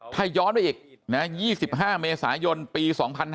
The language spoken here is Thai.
ถ้าย้อนไปอีก๒๕เมษายนปี๒๕๕๙